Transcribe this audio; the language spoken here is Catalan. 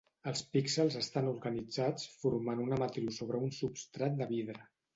Els píxels estan organitzats formant una matriu sobre un substrat de vidre.